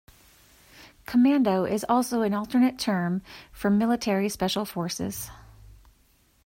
Commando is also an alternate term for military special forces.